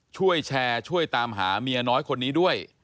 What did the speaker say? ช่วยแชร์ช่วยตามหาเมียน้อยคนนี้ด้วย